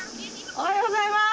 おはようございます。